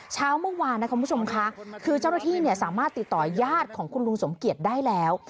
เช้าเมื่อวานนะคุณผู้ชมค่ะคือเจ้าหน้าที่สามารถติดต่อยาดของคุณลุงสมเกียจได้แล้ว